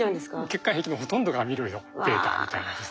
血管壁のほとんどがアミロイドβみたいなですね。